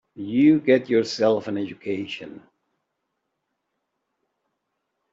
You get yourself an education.